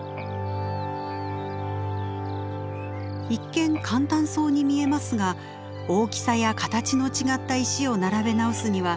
一見簡単そうに見えますが大きさや形の違った石を並べ直すには長年の経験が必要です。